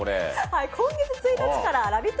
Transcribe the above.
今月１日からラヴィット！